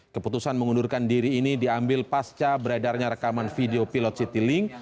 keputusan mengundurkan diri ini diambil pasca beredarnya rekaman video pilot citylink